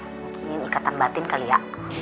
mungkin ikatan batin kali ya